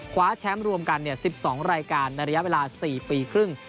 คว้าแชมป์รวมกัน๑๒รายการในระยะเวลา๔ปีครึ่ง